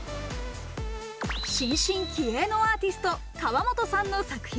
新進気鋭のアーティスト・河本さんの作品。